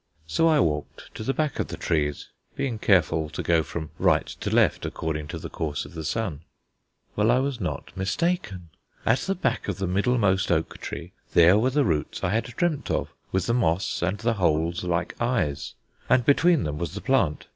So I walked to the back of the trees, being careful to go from right to left, according to the course of the sun. Well, I was not mistaken. At the back of the middlemost oak tree there were the roots I had dreamt of with the moss and the holes like eyes, and between them was the plant.